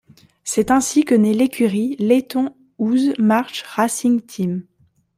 C'est ainsi que naît l'écurie Leyton House March Racing Team.